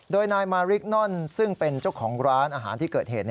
โดยนายมาริกนอนซึ่งเป็นเจ้าของร้านอาหารที่เกิดเหตุ